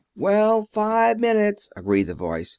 "Well, five minutes," agreed the voice.